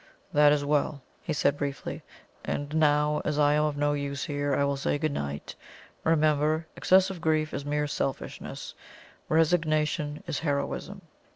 "That is well," he said briefly. "And now, as I am of no use here, I will say good night. Remember, excessive grief is mere selfishness; resignation is heroism."